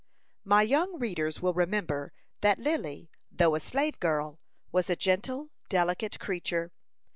My young readers will remember that Lily, though a slave girl, was a gentle, delicate creature.